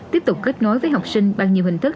tiếp tục kết nối với học sinh bằng nhiều hình thức